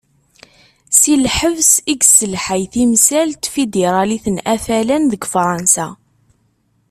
Si lḥebs, i yesselḥay timsal n Tfidiralit n Afalan deg Fransa.